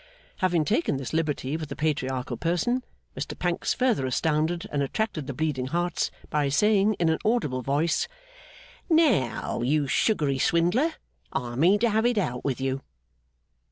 Having taken this little liberty with the Patriarchal person, Mr Pancks further astounded and attracted the Bleeding Hearts by saying in an audible voice, 'Now, you sugary swindler, I mean to have it out with you!